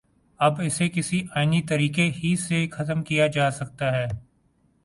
اب اسے کسی آئینی طریقے ہی سے ختم کیا جا سکتا ہے۔